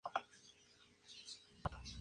Fue un antropólogo argentino.